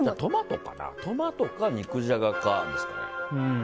トマトか肉じゃがかですかね。